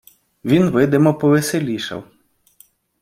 Він видимо повеселішав.